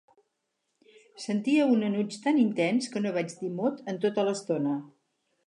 Sentia un enuig tan intens, que no vaig dir mot en tota l'estona.